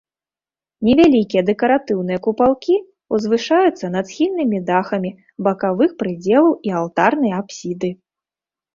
Невялікія дэкаратыўныя купалкі ўзвышаюцца над схільнымі дахамі бакавых прыдзелаў і алтарнай апсіды.